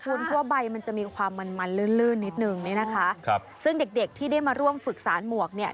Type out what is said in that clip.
คุณเพราะว่าใบมันจะมีความมันมันลื่นลื่นนิดนึงเนี่ยนะคะครับซึ่งเด็กเด็กที่ได้มาร่วมฝึกสารหมวกเนี่ย